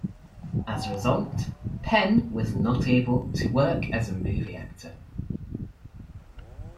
As a result, Penn was not able to work as a movie actor.